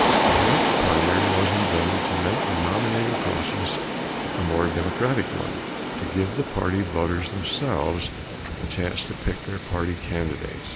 The direct primary was invented to make the nominating process a more democratic one to give the party voters themselves a chance to pick their party candidates.